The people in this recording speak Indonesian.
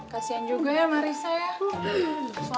kasian juga ya marissa ya